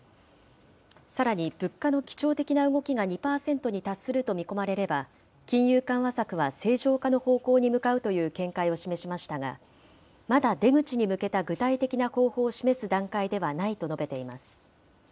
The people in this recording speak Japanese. さらに物価の基調的な動きが２％に達すると見込まれれば、金融緩和策は正常化の方向に向かうという見解を示しましたが、まだ出口に向けた具体的な方法を示す段階ではないと示しています。